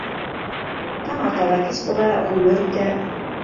- Таң ата ла кис була. ғүмер үтә...